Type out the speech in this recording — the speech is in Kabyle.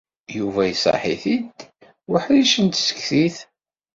Yuba iṣaḥ-it-id weḥric n tsektit.